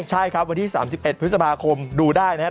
ใช่ครับวันที่๓๑พฤษภาคมดูได้นะครับ